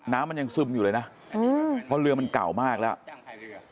น้ำมันยังซึมอยู่เลยนะเพราะเรือมันเก่ามากแล้ว